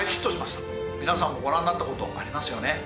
皆さんもご覧になったことありますよね。